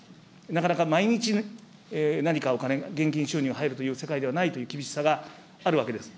なかなか毎日、何かお金、現金収入が入るわけではないという厳しさがあるわけです。